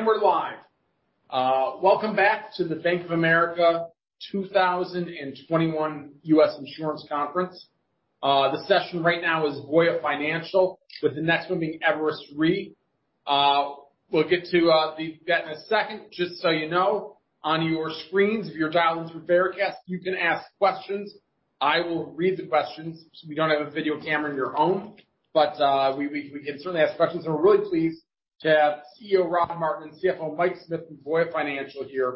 We're live. Welcome back to the Bank of America 2021 U.S. Insurance Conference. The session right now is Voya Financial, with the next one being Everest Re. We'll get to that in a second. Just so you know, on your screens, if you're dialing through Vericast, you can ask questions. I will read the questions, so if you don't have a video camera on your own. We can certainly ask questions, and we're really pleased to have CEO Rod Martin, CFO Mike Smith from Voya Financial here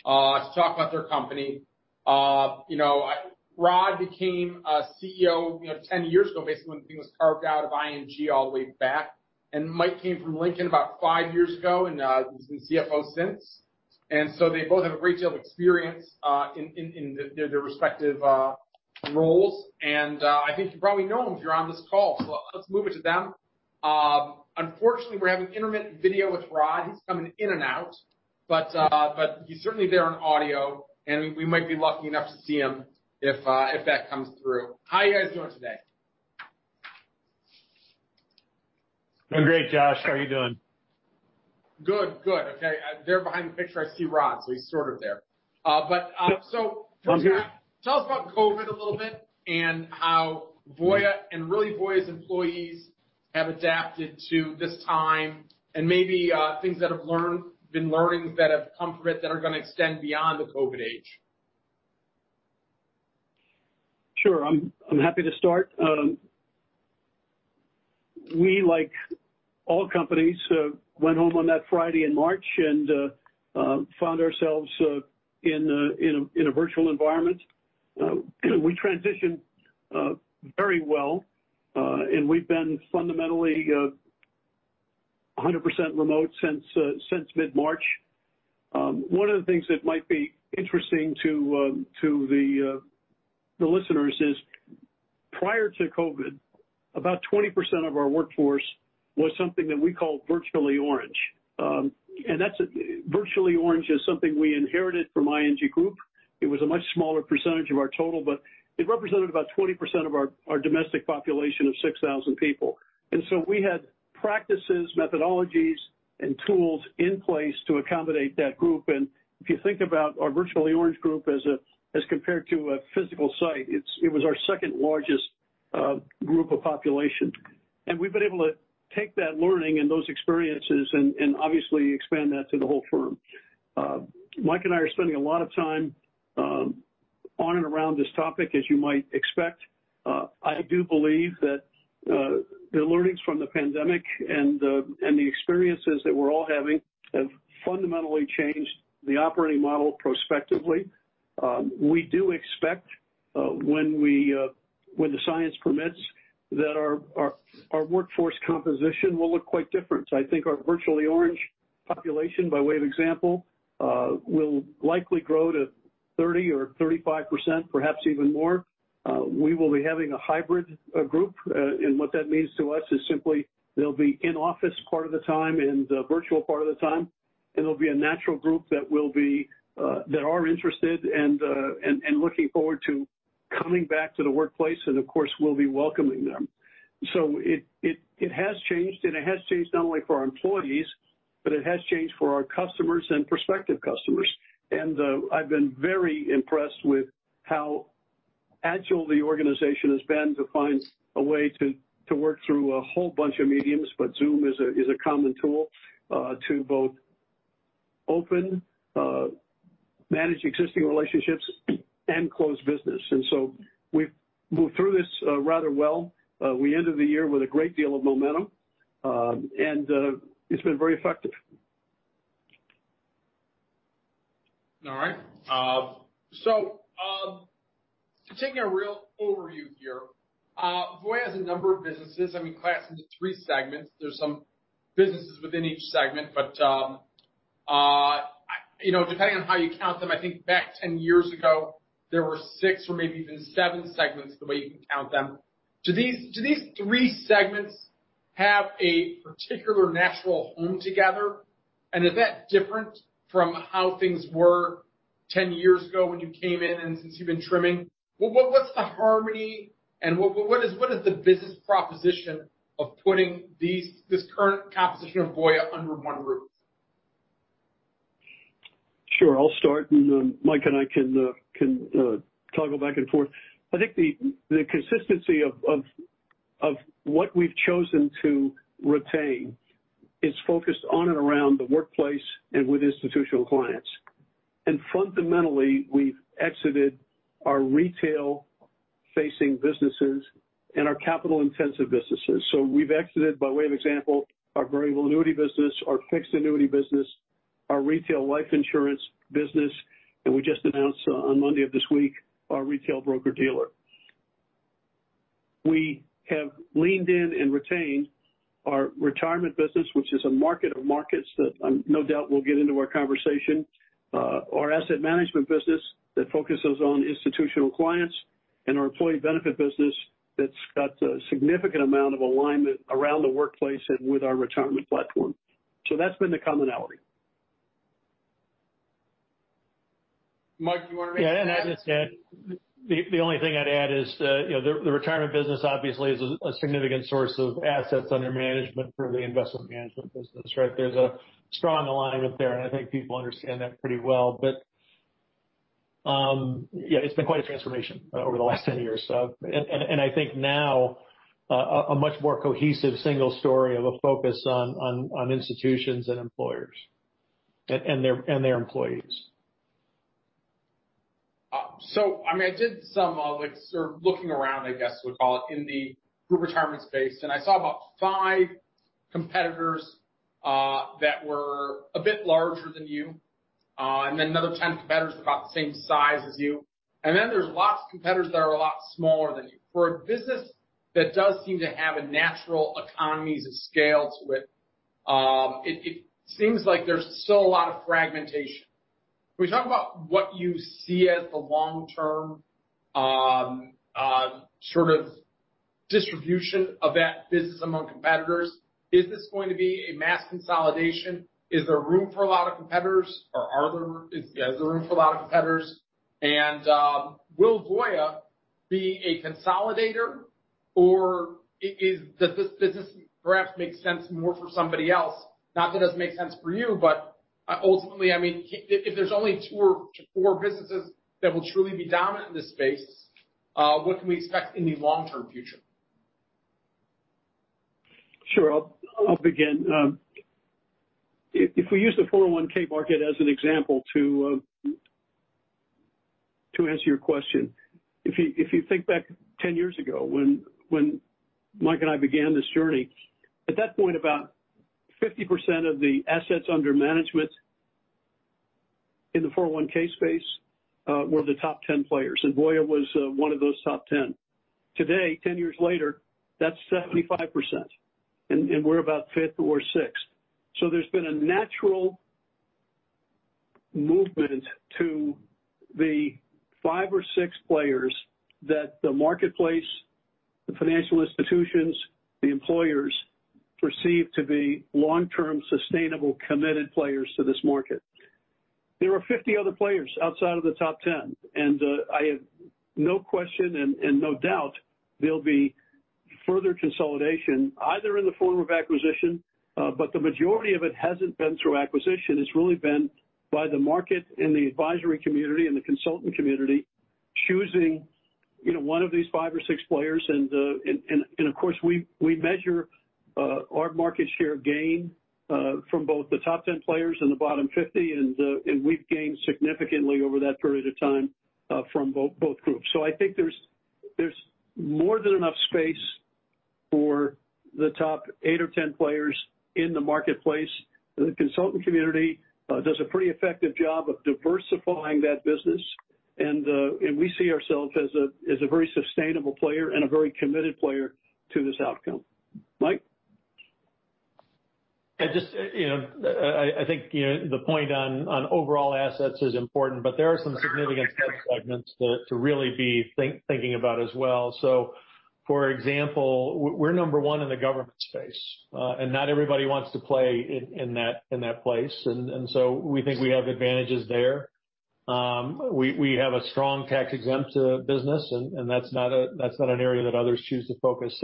to talk about their company. Rod became CEO 10 years ago, basically, when the thing was carved out of ING all the way back, and Mike came from Lincoln about five years ago and he's been CFO since. They both have a great deal of experience in their respective roles. I think you probably know them if you're on this call. Let's move it to them. Unfortunately, we're having intermittent video with Rod. He's coming in and out. He's certainly there on audio, and we might be lucky enough to see him if that comes through. How are you guys doing today? Doing great, Josh. How are you doing? Good. Okay. There behind the picture, I see Rod, so he's sort of there. I'm here Tell us about COVID a little bit and how Voya and really Voya's employees have adapted to this time and maybe things that have been learnings that have come from it that are going to extend beyond the COVID age. Sure. I'm happy to start. We, like all companies, went home on that Friday in March and found ourselves in a virtual environment. We transitioned very well, and we've been fundamentally 100% remote since mid-March. One of the things that might be interesting to the listeners is, prior to COVID, about 20% of our workforce was something that we call Virtually Orange. Virtually Orange is something we inherited from ING Group. It was a much smaller percentage of our total, but it represented about 20% of our domestic population of 6,000 people. So we had practices, methodologies, and tools in place to accommodate that group, and if you think about our Virtually Orange group as compared to a physical site, it was our second-largest group of population. We've been able to take that learning and those experiences and obviously expand that to the whole firm. Mike and I are spending a lot of time on and around this topic, as you might expect. I do believe that the learnings from the pandemic and the experiences that we're all having have fundamentally changed the operating model prospectively. We do expect, when the science permits, that our workforce composition will look quite different. I think our Virtually Orange population, by way of example, will likely grow to 30% or 35%, perhaps even more. We will be having a hybrid group, and what that means to us is simply they'll be in office part of the time and virtual part of the time. It'll be a natural group that are interested and looking forward to coming back to the workplace, and of course, we'll be welcoming them. It has changed, it has changed not only for our employees, but it has changed for our customers and prospective customers. I've been very impressed with how agile the organization has been to find a way to work through a whole bunch of mediums, but Zoom is a common tool, to both open, manage existing relationships, and close business. We've moved through this rather well. We ended the year with a great deal of momentum, it's been very effective. All right. Taking a real overview here. Voya has a number of businesses, we class them into three segments. There's some businesses within each segment, but depending on how you count them, I think back 10 years ago, there were six or maybe even seven segments, the way you can count them. Do these three segments have a particular natural home together? Is that different from how things were 10 years ago when you came in and since you've been trimming? What's the harmony and what is the business proposition of putting this current composition of Voya under one roof? Sure. I'll start, then Mike and I can toggle back and forth. I think the consistency of what we've chosen to retain is focused on and around the workplace and with institutional clients. Fundamentally, we've exited our retail-facing businesses and our capital-intensive businesses. We've exited, by way of example, our variable annuity business, our fixed annuity business, our retail life insurance business, we just announced on Monday of this week, our retail broker-dealer. We have leaned in and retained our retirement business, which is a market of markets that no doubt will get into our conversation, our asset management business that focuses on institutional clients, our employee benefit business that's got a significant amount of alignment around the workplace and with our retirement platform. That's been the commonality. Mike, do you want to? Yeah, I just said, the only thing I'd add is the retirement business obviously is a significant source of assets under management for the investment management business, right? There's a strong alignment there, and I think people understand that pretty well. Yeah, it's been quite a transformation over the last 10 years. I think now a much more cohesive single story of a focus on institutions and employers and their employees. I did some like sort of looking around, I guess we'll call it, in the group retirement space, and I saw about five competitors that were a bit larger than you, and then another 10 competitors about the same size as you. Then there's lots of competitors that are a lot smaller than you. For a business that does seem to have a natural economies of scale to it seems like there's still a lot of fragmentation. Can we talk about what you see as the long-term sort of distribution of that business among competitors? Is this going to be a mass consolidation? Is there room for a lot of competitors or is there room for a lot of competitors? Will Voya be a consolidator or does this perhaps make sense more for somebody else? Not that it doesn't make sense for you, ultimately, if there's only two or four businesses that will truly be dominant in this space, what can we expect in the long-term future? Sure. I'll begin. If we use the 401 market as an example to answer your question. If you think back 10 years ago when Mike and I began this journey, at that point, about 50% of the assets under management in the 401 space were the top 10 players, and Voya was one of those top 10. Today, 10 years later, that's 75%, and we're about fifth or sixth. There's been a natural movement to the five or six players that the marketplace, the financial institutions, the employers perceive to be long-term, sustainable, committed players to this market. There are 50 other players outside of the top 10, I have no question and no doubt there'll be further consolidation, either in the form of acquisition, the majority of it hasn't been through acquisition. It's really been by the market and the advisory community and the consultant community choosing one of these five or six players. Of course, we measure our market share gain from both the top 10 players and the bottom 50, and we've gained significantly over that period of time from both groups. I think there's more than enough space for the top eight or 10 players in the marketplace. The consultant community does a pretty effective job of diversifying that business. We see ourselves as a very sustainable player and a very committed player to this outcome. Mike? I think the point on overall assets is important, there are some significant sub-segments to really be thinking about as well. For example, we're number 1 in the government space, not everybody wants to play in that place. We think we have advantages there. We have a strong tax-exempt business, that's not an area that others choose to focus.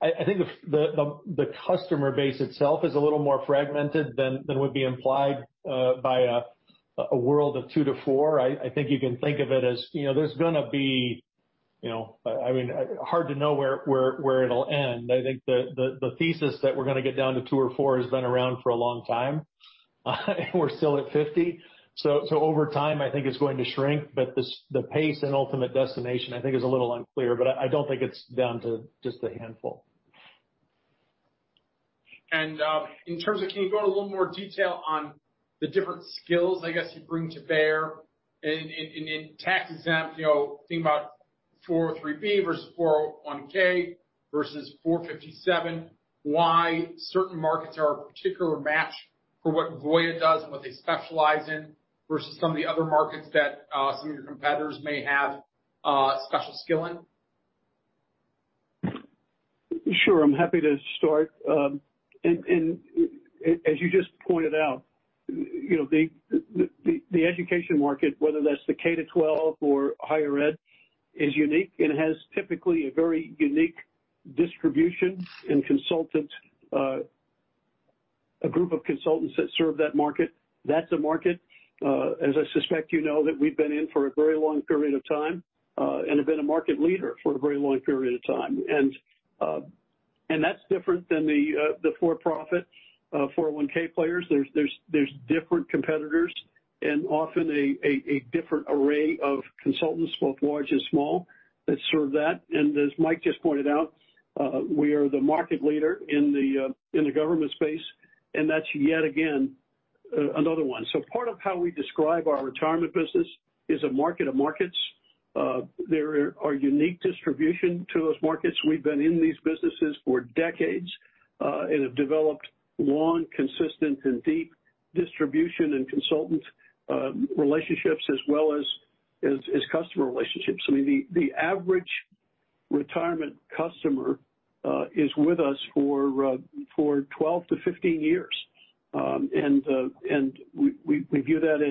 I think the customer base itself is a little more fragmented than would be implied by a world of two to four. I think you can think of it as there's going to be hard to know where it'll end. I think the thesis that we're going to get down to two or four has been around for a long time, and we're still at 50. Over time, I think it's going to shrink. The pace and ultimate destination, I think, is a little unclear. I don't think it's down to just a handful. In terms of, can you go into a little more detail on the different skills, I guess, you bring to bear in tax exempt, think about 403 versus 401 versus 457, why certain markets are a particular match for what Voya does and what they specialize in, versus some of the other markets that some of your competitors may have special skill in? Sure. As you just pointed out, the education market, whether that's the K-12 or higher ed, is unique and has typically a very unique distribution and a group of consultants that serve that market. That's a market, as I suspect you know, that we've been in for a very long period of time, and have been a market leader for a very long period of time. That's different than the for-profit 401 players. There's different competitors and often a different array of consultants, both large and small, that serve that. As Mike just pointed out, we are the market leader in the government space, and that's yet again another one. Part of how we describe our retirement business is a market of markets. There are unique distribution to those markets. We've been in these businesses for decades, and have developed long, consistent, and deep distribution and consultant relationships as well as customer relationships. I mean, the average Retirement customer is with us for 12 to 15 years. We view that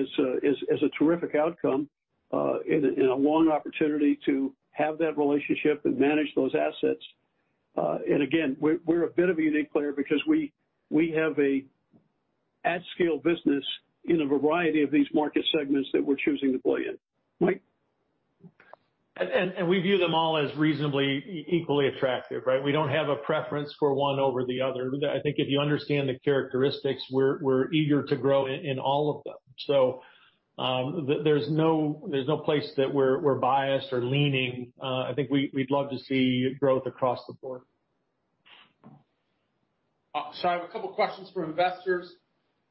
as a terrific outcome and a long opportunity to have that relationship and manage those assets. Again, we're a bit of a unique player because we have a at-scale business in a variety of these market segments that we're choosing to play in. Mike? We view them all as reasonably equally attractive, right? We don't have a preference for one over the other. I think if you understand the characteristics, we're eager to grow in all of them. There's no place that we're biased or leaning. I think we'd love to see growth across the board. I have a couple of questions from investors.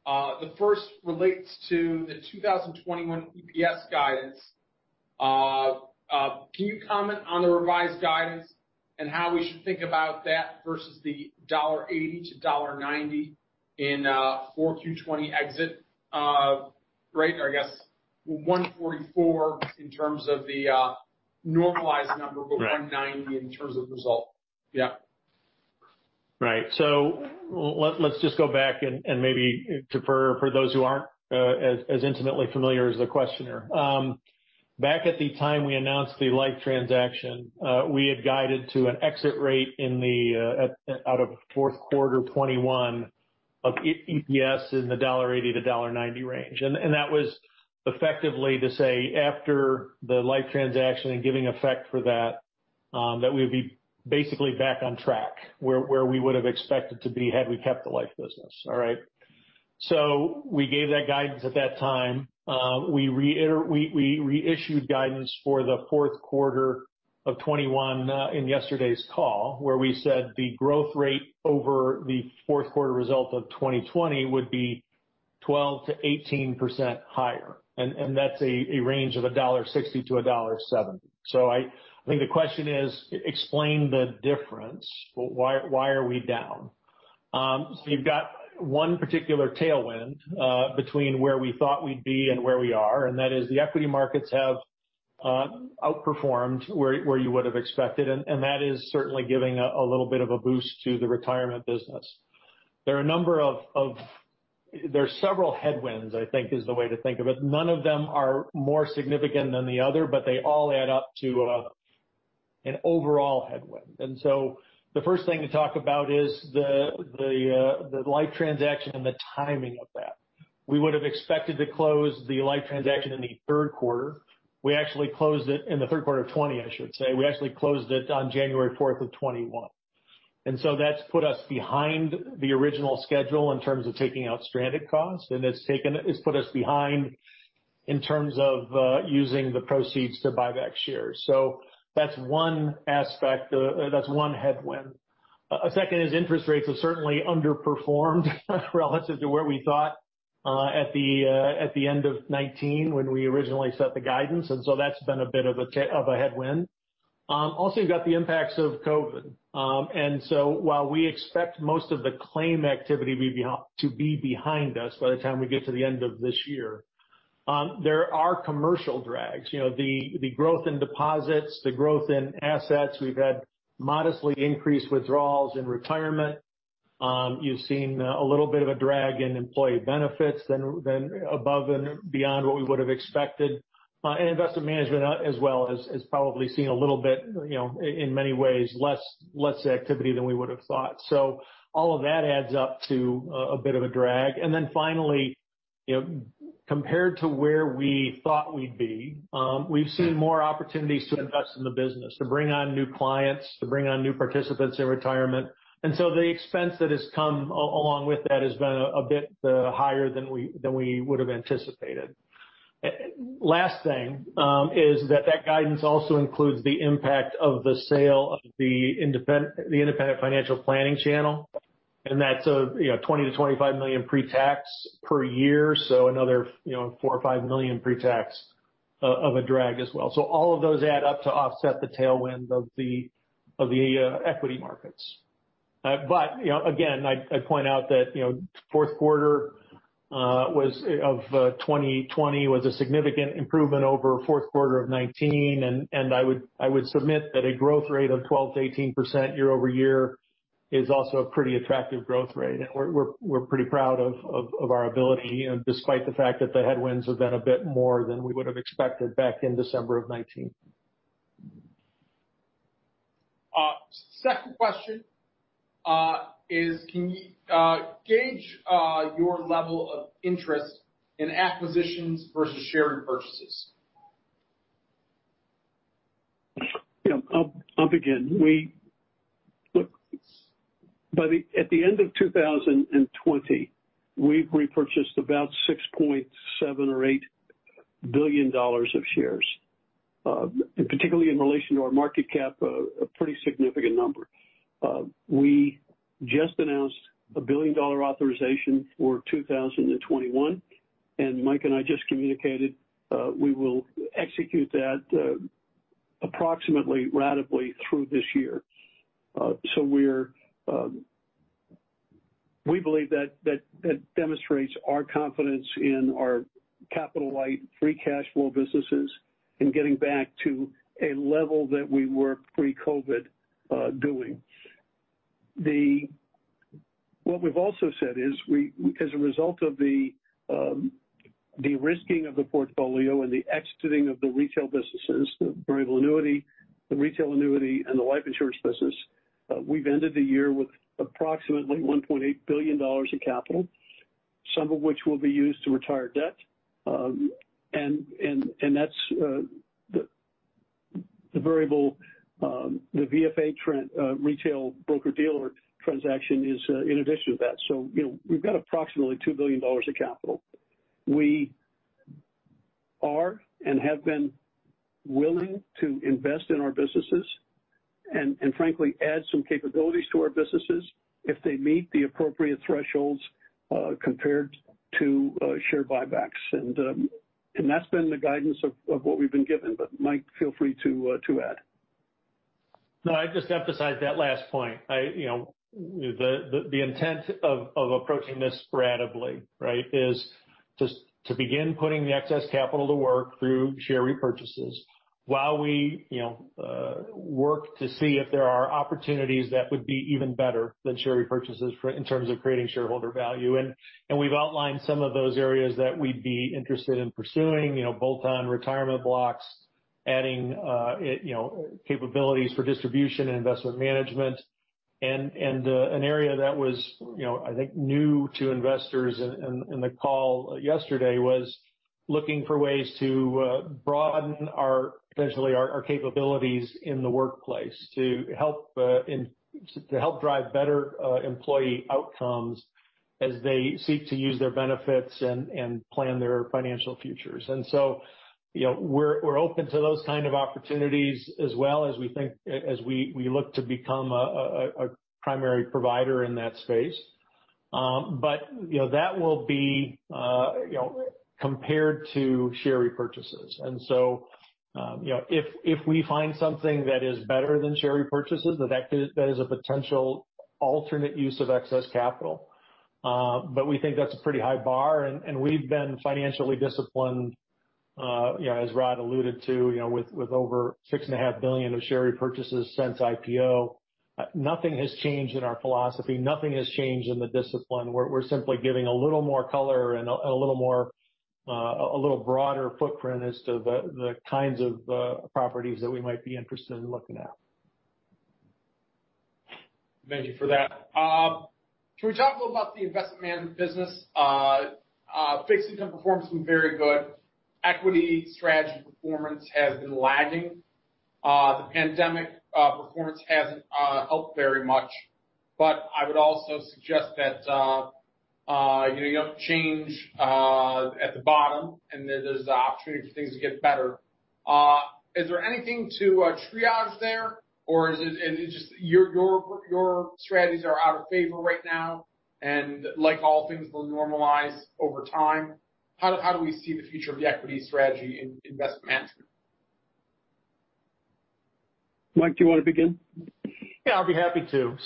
The first relates to the 2021 EPS guidance. Can you comment on the revised guidance and how we should think about that versus the $1.80-$1.90 in 4Q 2020 exit rate? I guess, well, $1.44 in terms of the normalized number. Right 1.90 in terms of result. Yeah. Right. Let's just go back and maybe for those who aren't as intimately familiar as the questioner. Back at the time we announced the Life transaction, we had guided to an exit rate out of fourth quarter 2021 of EPS in the $1.80-$1.90 range. That was effectively to say, after the Life transaction and giving effect for that we would be basically back on track where we would have expected to be had we kept the Life business. All right? We gave that guidance at that time. We reissued guidance for the fourth quarter of 2021 in yesterday's call, where we said the growth rate over the fourth quarter result of 2020 would be 12%-18% higher, and that's a range of $1.60-$1.70. I think the question is, explain the difference. Why are we down? You've got one particular tailwind between where we thought we'd be and where we are, and that is the equity markets have outperformed where you would have expected, and that is certainly giving a little bit of a boost to the Retirement business. There are several headwinds, I think is the way to think of it. None of them are more significant than the other, but they all add up to an overall headwind. The first thing to talk about is the Life transaction and the timing of that. We would have expected to close the Life transaction in the third quarter. We actually closed it in the third quarter of 2020, I should say. We actually closed it on January 4th of 2021. That's put us behind the original schedule in terms of taking out stranded costs, and it's put us behind in terms of using the proceeds to buy back shares. That's one aspect, that's one headwind. A second is interest rates have certainly underperformed relative to where we thought at the end of 2019 when we originally set the guidance. That's been a bit of a headwind. Also, you've got the impacts of COVID. While we expect most of the claim activity to be behind us by the time we get to the end of this year, there are commercial drags. The growth in deposits, the growth in assets. We've had modestly increased withdrawals in Retirement. You've seen a little bit of a drag in employee benefits than above and beyond what we would have expected. Investment management as well has probably seen a little bit, in many ways, less activity than we would have thought. All of that adds up to a bit of a drag. Finally, compared to where we thought we'd be, we've seen more opportunities to invest in the business, to bring on new clients, to bring on new participants in Retirement. The expense that has come along with that has been a bit higher than we would have anticipated. Last thing is that guidance also includes the impact of the sale of the independent financial planning channel. That's $20 million-$25 million pre-tax per year. Another $4 million or $5 million pre-tax of a drag as well. All of those add up to offset the tailwind of the equity markets. Again, I point out that fourth quarter of 2020 was a significant improvement over fourth quarter of 2019, and I would submit that a growth rate of 12%-18% year-over-year is also a pretty attractive growth rate. We're pretty proud of our ability, despite the fact that the headwinds have been a bit more than we would have expected back in December of 2019. Second question is, can you gauge your level of interest in acquisitions versus share repurchases? Yeah. I'll begin. At the end of 2020, we repurchased about $6.7 billion or $8 billion of shares. Particularly in relation to our market cap, a pretty significant number. We just announced a billion-dollar authorization for 2021, and Mike and I just communicated we will execute that approximately ratably through this year. We believe that demonstrates our confidence in our capital-light, free cash flow businesses and getting back to a level that we were pre-COVID doing. What we've also said is as a result of the de-risking of the portfolio and the exiting of the retail businesses, the variable annuity, the retail annuity, and the life insurance business, we've ended the year with approximately $1.8 billion of capital, some of which will be used to retire debt. The VFA retail broker-dealer transaction is in addition to that. We've got approximately $2 billion of capital. We are and have been willing to invest in our businesses and frankly, add some capabilities to our businesses if they meet the appropriate thresholds compared to share buybacks. That's been the guidance of what we've been given. Mike, feel free to add. No, I'd just emphasize that last point. The intent of approaching this proactively is to begin putting the excess capital to work through share repurchases while we work to see if there are opportunities that would be even better than share repurchases in terms of creating shareholder value. We've outlined some of those areas that we'd be interested in pursuing, bolt-on retirement blocks, adding capabilities for distribution and investment management. An area that was, I think, new to investors in the call yesterday was looking for ways to broaden potentially our capabilities in the workplace to help drive better employee outcomes as they seek to use their benefits and plan their financial futures. We're open to those kind of opportunities as well as we look to become a primary provider in that space. That will be compared to share repurchases. If we find something that is better than share repurchases, that is a potential alternate use of excess capital. We think that's a pretty high bar, and we've been financially disciplined, as Rod alluded to with over six and a half billion of share repurchases since IPO. Nothing has changed in our philosophy. Nothing has changed in the discipline. We're simply giving a little more color and a little broader footprint as to the kinds of properties that we might be interested in looking at. Thank you for that. Can we talk a little about the investment management business? Fixed income performance has been very good. Equity strategy performance has been lagging. The pandemic performance hasn't helped very much. I would also suggest that you have change at the bottom and there's the opportunity for things to get better. Is there anything to triage there, or is it just your strategies are out of favor right now, and like all things, will normalize over time? How do we see the future of the equity strategy in investment management? Mike, do you want to begin? Yeah, I'd be happy to.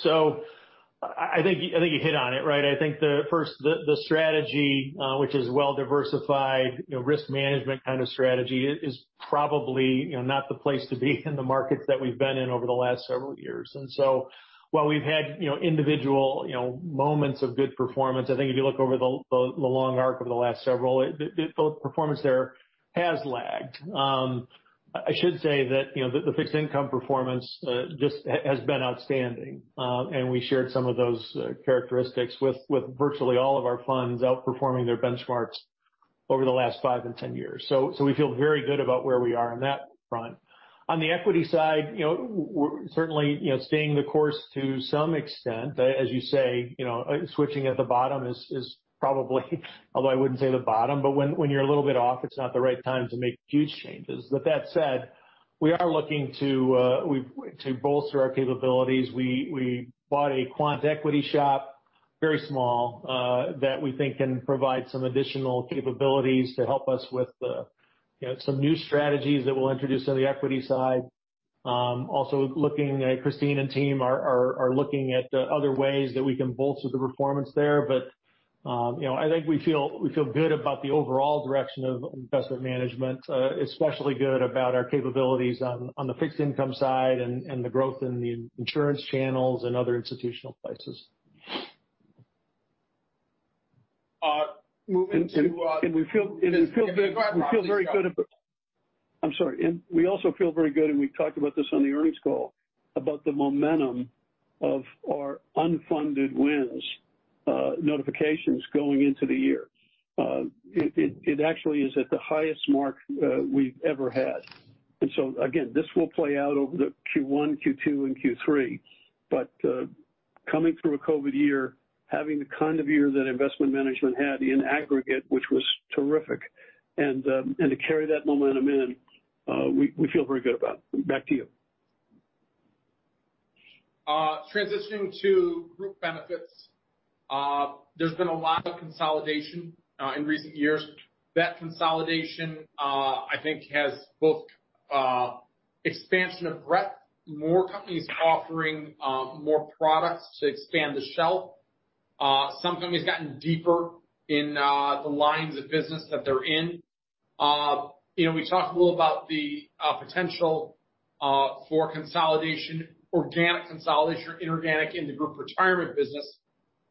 I think you hit on it. I think first, the strategy, which is well diversified, risk management kind of strategy is probably not the place to be in the markets that we've been in over the last several years. While we've had individual moments of good performance, I think if you look over the long arc of the last several, the performance there has lagged. I should say that the fixed income performance just has been outstanding. We shared some of those characteristics with virtually all of our funds outperforming their benchmarks over the last five and 10 years. We feel very good about where we are on that front. On the equity side, we're certainly staying the course to some extent. As you say, switching at the bottom is probably, although I wouldn't say the bottom, but when you're a little bit off, it's not the right time to make huge changes. With that said, we are looking to bolster our capabilities. We bought a quant equity shop, very small, that we think can provide some additional capabilities to help us with some new strategies that we'll introduce on the equity side. Also, Christine and team are looking at other ways that we can bolster the performance there. I think we feel good about the overall direction of investment management, especially good about our capabilities on the fixed income side and the growth in the insurance channels and other institutional places. Moving to We feel very good about it. We also feel very good, and we talked about this on the earnings call, about the momentum of our unfunded wins notifications going into the year. It actually is at the highest mark we've ever had. Again, this will play out over the Q1, Q2, and Q3. Coming through a COVID year, having the kind of year that investment management had in aggregate, which was terrific, and to carry that momentum in, we feel very good about it. Back to you. Transitioning to group benefits. There's been a lot of consolidation in recent years. That consolidation, I think has both expansion of breadth, more companies offering more products to expand the shelf. Some companies gotten deeper in the lines of business that they're in. We talked a little about the potential for consolidation, organic consolidation or inorganic in the group retirement business.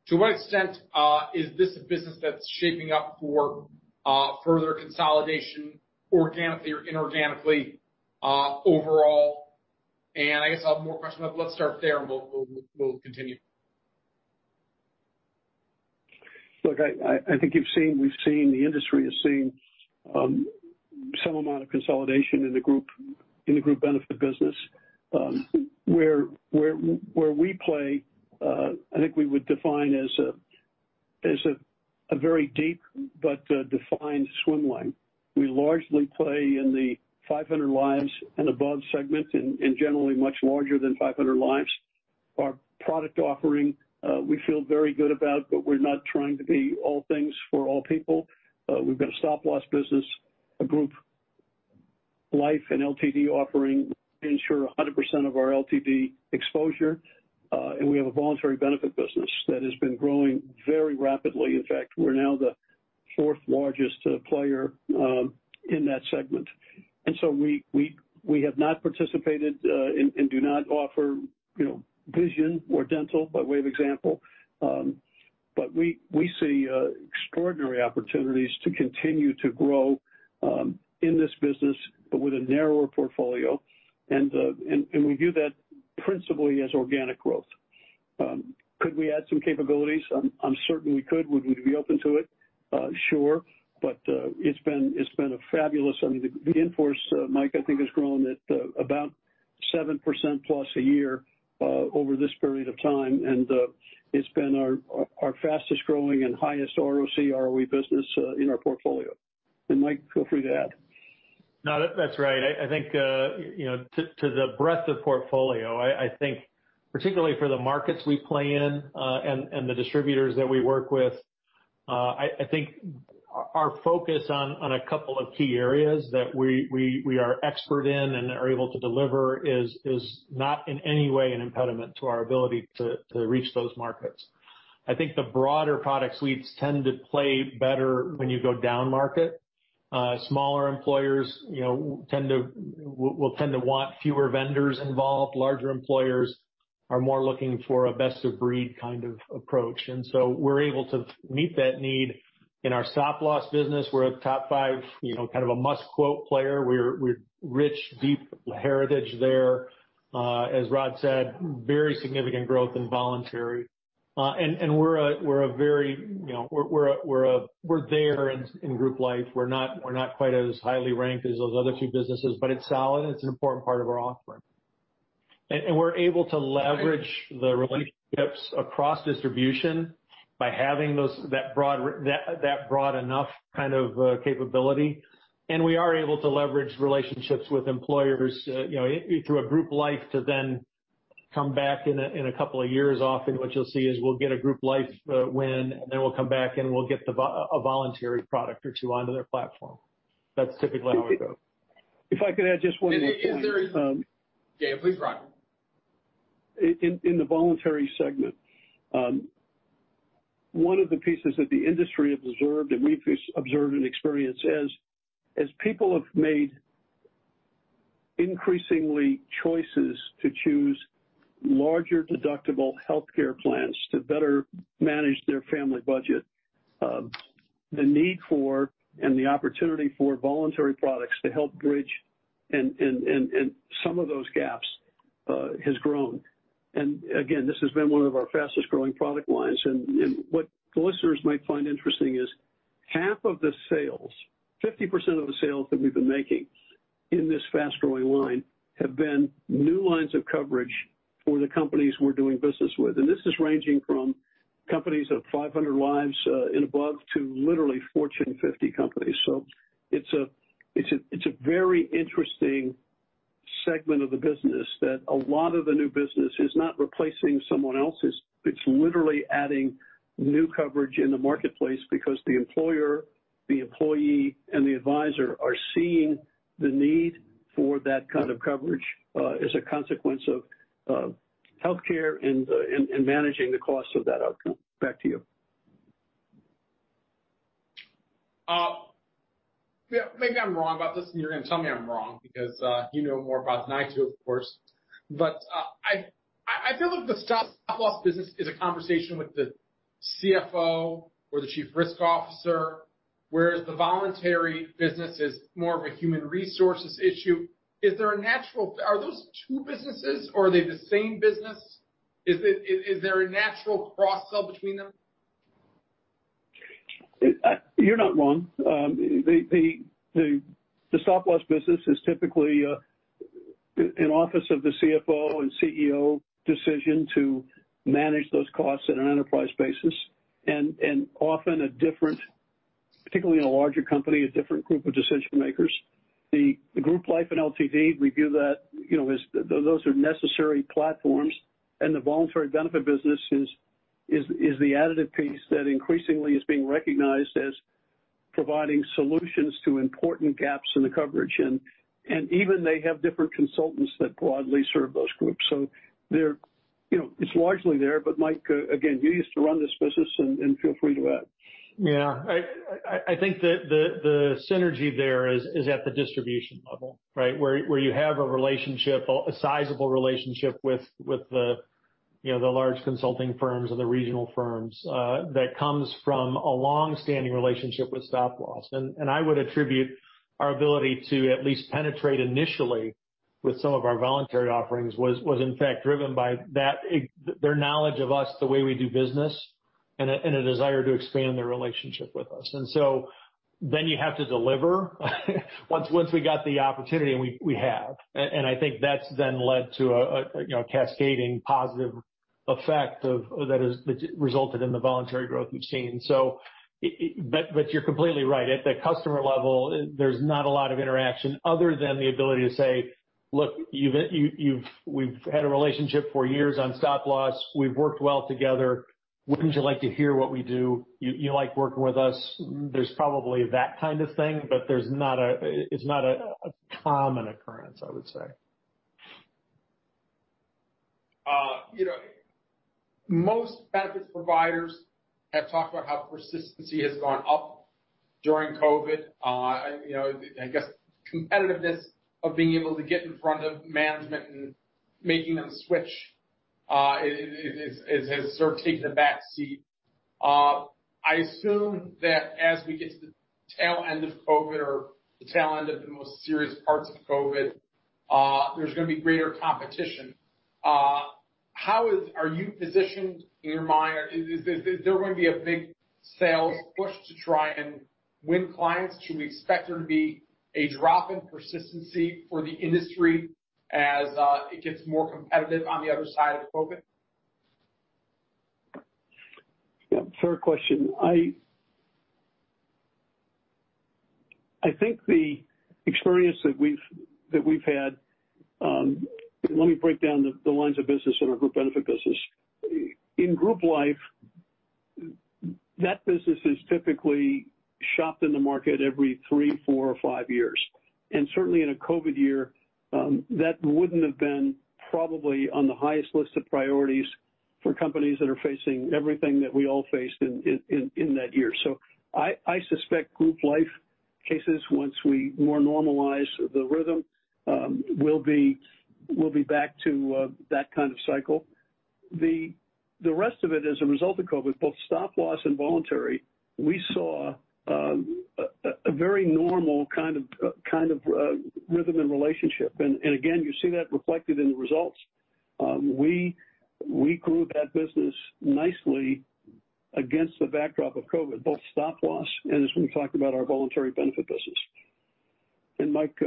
To what extent is this a business that's shaping up for further consolidation, organically or inorganically, overall? I guess I'll have more questions, but let's start there, and we'll continue. Look, I think the industry has seen some amount of consolidation in the group benefit business. Where we play, I think we would define as a very deep but a defined swim lane. We largely play in the 500 lives and above segment and generally much larger than 500 lives. Our product offering, we feel very good about, but we're not trying to be all things for all people. We've got a Stop Loss business, a group life and LTD offering. We insure 100% of our LTD exposure. We have a voluntary benefit business that has been growing very rapidly. In fact, we're now the fourth largest player in that segment. We have not participated, and do not offer vision or dental by way of example. We see extraordinary opportunities to continue to grow in this business, but with a narrower portfolio, and we view that principally as organic growth. Could we add some capabilities? I'm certain we could. Would we be open to it? Sure. It's been fabulous. I mean, the in-force, Mike, I think has grown at about 7% plus a year, over this period of time. It's been our fastest growing and highest ROC, ROE business in our portfolio. Mike, feel free to add. No, that's right. I think to the breadth of portfolio, I think particularly for the markets we play in, and the distributors that we work with, I think our focus on a couple of key areas that we are expert in and are able to deliver is not in any way an impediment to our ability to reach those markets. I think the broader product suites tend to play better when you go down market. Smaller employers will tend to want fewer vendors involved. Larger employers are more looking for a best of breed kind of approach. We're able to meet that need. In our Stop Loss business, we're a top five, kind of a must-quote player. We're rich, deep heritage there. As Rod said, very significant growth in voluntary. We're there in group life. We're not quite as highly ranked as those other two businesses, but it's solid and it's an important part of our offering. We're able to leverage the relationships across distribution by having that broad enough kind of capability. We are able to leverage relationships with employers through a group life to then come back in a couple of years. Often what you'll see is we'll get a group life win, then we'll come back, and we'll get a voluntary product or two onto their platform. That's typically how we go. If I could add just one more point. Yeah, please, Rod. In the voluntary segment, one of the pieces that the industry has observed, and we've observed and experienced is, as people have made increasingly choices to choose larger deductible healthcare plans to better manage their family budget, the need for and the opportunity for voluntary products to help bridge in some of those gaps, has grown. Again, this has been one of our fastest growing product lines. What listeners might find interesting is half of the sales, 50% of the sales that we've been making in this fast-growing line have been new lines of coverage for the companies we're doing business with. This is ranging from companies of 500 lives and above to literally Fortune 50 companies. It's a very interesting segment of the business that a lot of the new business is not replacing someone else's. It's literally adding new coverage in the marketplace because the employer, the employee, and the advisor are seeing the need for that kind of coverage, as a consequence of healthcare and managing the cost of that outcome. Back to you. Yeah. Maybe I'm wrong about this, and you're going to tell me I'm wrong because you know more about than I do, of course. I feel like the Stop Loss business is a conversation with the CFO or the chief risk officer, whereas the voluntary business is more of a human resources issue. Are those two businesses or are they the same business? Is there a natural cross-sell between them? You're not wrong. The Stop Loss business is typically an office of the CFO and CEO decision to manage those costs at an enterprise basis and often a different, particularly in a larger company, a different group of decision-makers. The group life and LTD, we view that, those are necessary platforms, and the voluntary benefit business is the additive piece that increasingly is being recognized as providing solutions to important gaps in the coverage. Even they have different consultants that broadly serve those groups. It's largely there, but Mike, again, you used to run this business and feel free to add. I think that the synergy there is at the distribution level, right? Where you have a sizable relationship with the large consulting firms or the regional firms, that comes from a long-standing relationship with Stop Loss. I would attribute our ability to at least penetrate initially with some of our voluntary offerings was in fact driven by their knowledge of us, the way we do business, and a desire to expand their relationship with us. You have to deliver once we got the opportunity, and we have. I think that's then led to a cascading positive effect that has resulted in the voluntary growth we've seen. You're completely right. At the customer level, there's not a lot of interaction other than the ability to say, "Look, we've had a relationship for years on Stop Loss. We've worked well together. Wouldn't you like to hear what we do? You like working with us." There's probably that kind of thing, but it's not a common occurrence, I would say. Most benefits providers have talked about how persistency has gone up during COVID. I guess competitiveness of being able to get in front of management and making them switch has sort of taken a back seat. I assume that as we get to the tail end of COVID or the tail end of the most serious parts of COVID, there's going to be greater competition. Are you positioned in your mind, is there going to be a big sales push to try and win clients? Should we expect there to be a drop in persistency for the industry as it gets more competitive on the other side of COVID? Fair question. I think the experience that we've had, let me break down the lines of business in our group benefit business. In group life, that business is typically shopped in the market every three, four, or five years. Certainly in a COVID year, that wouldn't have been probably on the highest list of priorities for companies that are facing everything that we all faced in that year. I suspect group life cases, once we more normalize the rhythm, will be back to that kind of cycle. The rest of it, as a result of COVID, both Stop Loss and voluntary, we saw a very normal kind of rhythm and relationship. Again, you see that reflected in the results. We grew that business nicely against the backdrop of COVID, both Stop Loss and as we talked about our voluntary benefit business. Mike,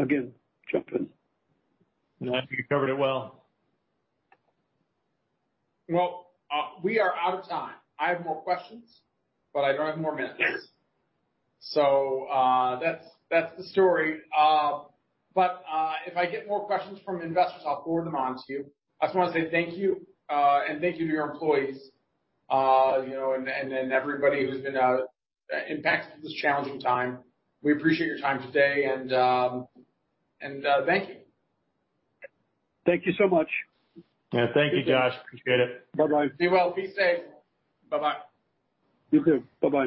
again, jump in. No, I think you covered it well. Well, we are out of time. I have more questions, but I don't have more minutes. That's the story. If I get more questions from investors, I'll forward them on to you. I just want to say thank you, and thank you to your employees, and everybody who's been impacted through this challenging time. We appreciate your time today, and thank you. Thank you so much. Yeah, thank you, Josh. Appreciate it. Bye-bye. Be well, be safe. Bye-bye. You too. Bye-bye.